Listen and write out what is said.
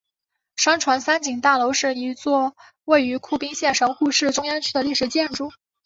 商船三井大楼是一座位于兵库县神户市中央区的历史建筑。